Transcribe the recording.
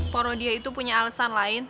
pak rodia itu punya alesan lain